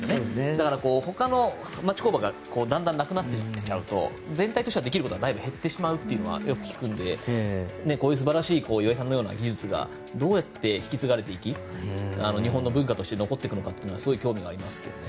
だから、ほかの町工場がだんだんなくなってきちゃうと全体としてできることはだいぶ減ってしまうというのはよく聞くのでこういう素晴らしい岩井さんのような技術がどうやって引き継がれていき日本の文化として残っていくかというのはすごい興味がありますけどね。